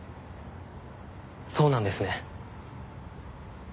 そうなんですね。